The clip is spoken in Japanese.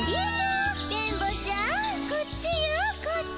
電ボちゃんこっちよこっち。